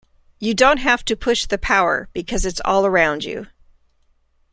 You don't have to push the power, because it's all around you.